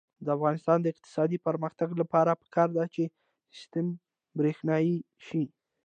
د افغانستان د اقتصادي پرمختګ لپاره پکار ده چې سیستم برښنايي شي.